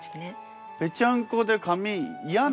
ぺちゃんこで髪嫌なんだもん。